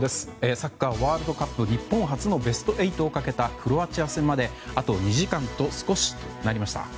サッカーワールドカップ日本初のベスト８をかけたクロアチア戦まであと２時間と少しとなりました。